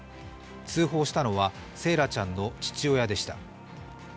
通報したのは、惺愛ちゃんの父親でした。